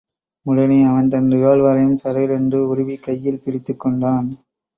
உடனே அவன் தன் ரிவால்வரையும் சரேலென்று உருவிக் கையில் பிடித்துக் கொண்டான்.